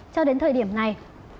cho đến thời điểm này